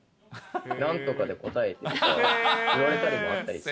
なんとかで答えてとか、言われたりもあったり。